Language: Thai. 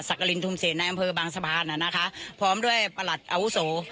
กรินทุมเศษในอำเภอบางสะพานน่ะนะคะพร้อมด้วยประหลัดอาวุโส